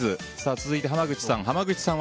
続いて、濱口さん。